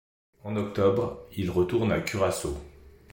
En octobre, il retourne à Curaçao.